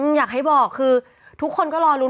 อยากให้บอกคือทุกคนก็รอลุ้น